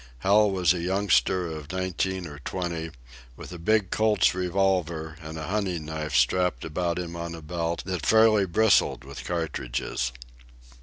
Hal was a youngster of nineteen or twenty, with a big Colt's revolver and a hunting knife strapped about him on a belt that fairly bristled with cartridges.